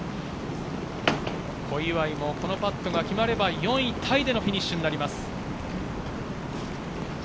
小祝も、このパットが決まれば４位タイでのフィニッシュになります。